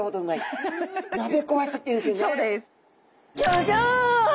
そうです。